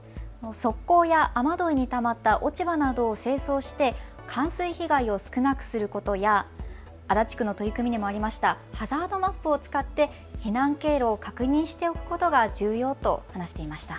側溝や雨どいにたまった落ち葉などを清掃して冠水被害を少なくすることや足立区の取り組みにもあったハザードマップを使って避難経路を確認しておくことが重要だと話していました。